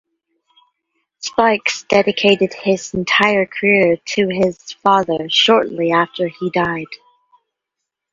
Spikes dedicated his entire career to his father shortly after he died.